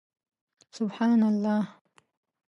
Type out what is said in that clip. سبحان الله